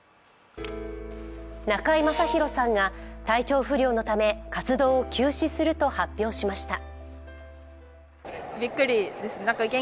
中居正広さんが体調不良のため活動を休止すると発表しました。